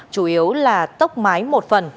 chủ yếu là tốc mái một phần